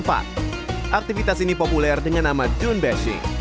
aktivitas ini populer dengan nama dune bashing